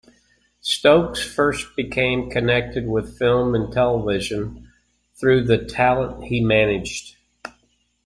Stokes first became connected with Film and Television through the talent he managed.